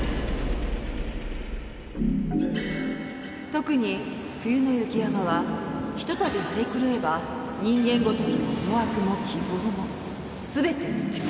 特に冬の雪山はひとたび荒れ狂えば人間ごときの思惑も希望も全て打ち砕く。